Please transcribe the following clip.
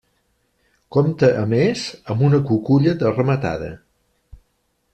Compte a més amb una cuculla de rematada.